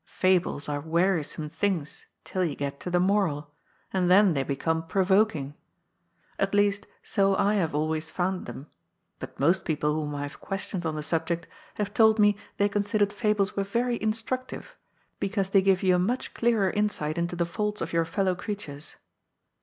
Fables are wearisome things till you get to the moral ; and then they become proyoking. At least, so I have always found them, but most people whom I have questioned on the subject have told me they considered fables were yery instructiye, because they give you a much clearer insight into the faults of your fellow creatures.